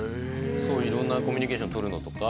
いろんなコミュニケーション取るのとか。